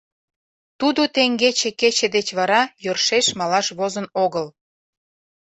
Тудо теҥгече кече деч вара йӧршеш малаш возын огыл.